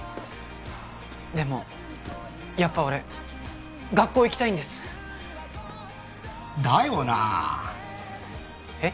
でもやっぱ俺学校行きたいんですだよなえっ？